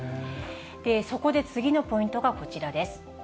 そこで次のポイントがこちらです。